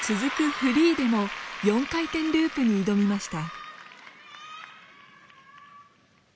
フリーでも４回転ループに挑みました。